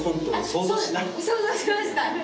想像しました。